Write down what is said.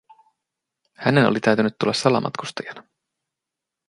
Hänen oli täytynyt tulla salamatkustajana.